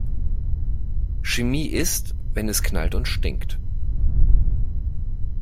Chemie ist, wenn es knallt und stinkt.